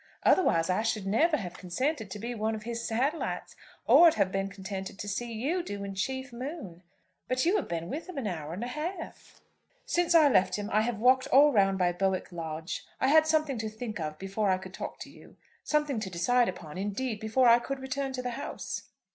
Otherwise I should never have consented to have been one of his satellites, or have been contented to see you doing chief moon. But you have been with him an hour and a half." "Since I left him I have walked all round by Bowick Lodge. I had something to think of before I could talk to you, something to decide upon, indeed, before I could return to the house."